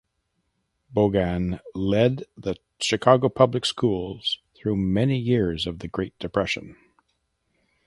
Bogan lead the Chicago Public Schools through many years of the Great Depression.